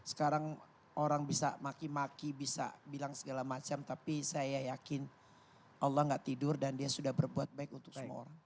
sekarang orang bisa maki maki bisa bilang segala macam tapi saya yakin allah gak tidur dan dia sudah berbuat baik untuk semua orang